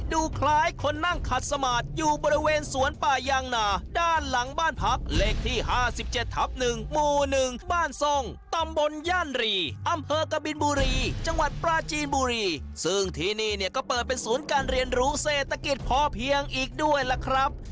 ดูคล้ายคนนั่งขัดสมาธิอยู่บริเวณสวนป่ายางนาด้านหลังบ้านพักเลขที่๕๗ทับ๑หมู่๑บ้านทรงตำบลย่านรีอำเภอกบินบุรีจังหวัดปราจีนบุรีซึ่งที่นี่เนี่ยก็เปิดเป็นศูนย์การเรียนรู้เศรษฐกิจพอเพียงอีกด้วยล่ะครับ